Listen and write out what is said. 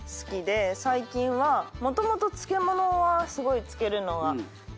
最近はもともと漬物はすごい漬けるのがうちの。